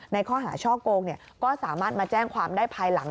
ในข้อหาช่อโกงก็สามารถมาแจ้งความได้ภายหลัง